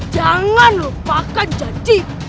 jangan lupakan janji